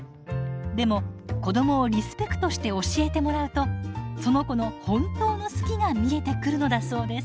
でも子どもをリスペクトして教えてもらうとその子の本当の「好き」が見えてくるのだそうです。